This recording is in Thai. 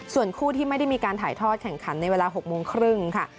ส่วนคู่ที่ไม่ได้มีการถ่ายทอดแข่งขันในเวลา๖โมงครึ่งค่ะ